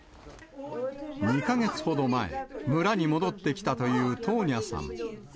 ２か月ほど前、村に戻ってきたというトーニャさん。